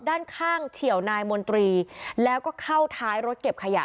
ด้านข้างเฉียวนายมนตรีแล้วก็เข้าท้ายรถเก็บขยะ